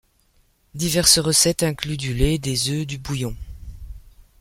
Diverses recettes incluent du lait, des œufs, du bouillon.